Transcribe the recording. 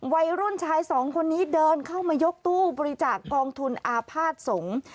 วัยรุ่นชายสองคนนี้เดินเข้ามายกตู้บริจาคกองทุนอาภาษณ์สงฆ์